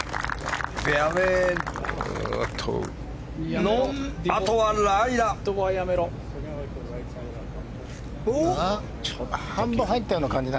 フェアウェーのあとはライだ！